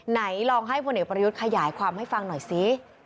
ไหนลองให้พลเอกประยุทธ์ขยายความให้ฟังหน่อยสิ